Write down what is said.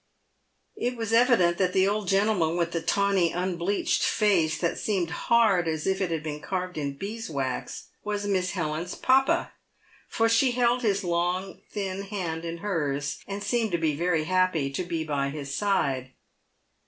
It was evident that the old gentleman with the tawny, unbleached face, that seemed hard as if it had been carved in bees' wax, was Miss Helen's papa, for she held his long thin hand in hers, and seemed very happy to be by his side.